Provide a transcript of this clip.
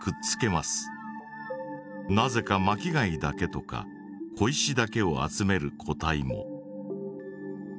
なぜか巻き貝だけとか小石だけを集める個体も。